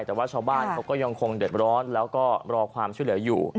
แต่ว่าชาวบ้านเขาก็ยังคงเดือดร้อนแล้วก็รอความช่วยเหลืออยู่